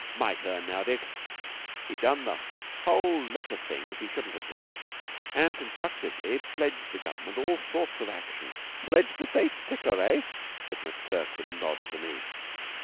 "My turn now, Dick. He'd done a whole lot of things he shouldn't have done, and constructively pledged the Government to all sorts of action." "'Pledged the State's ticker, eh?" said McTurk, with a nod to me.